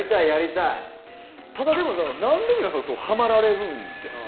ただ、なんで皆さんハマられるんですか。